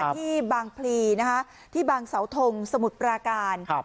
ที่บางพลีนะคะที่บางเสาทงสมุทรปราการ